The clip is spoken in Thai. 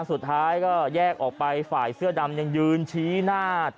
สุดท้ายก็แยกออกไปฝ่ายเสื้อดำยังยืนชี้หน้า